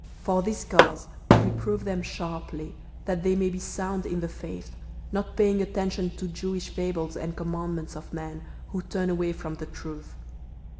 For this cause, reprove them sharply, that they may be sound in the faith, 001:014 not paying attention to Jewish fables and commandments of men who turn away from the truth.